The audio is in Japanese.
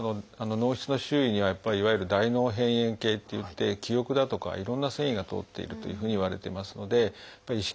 脳室の周囲にはいわゆる「大脳辺縁系」っていって記憶だとかいろんな線維が通っているというふうにいわれてますので意識